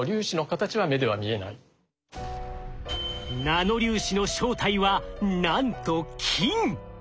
ナノ粒子の正体はなんと金！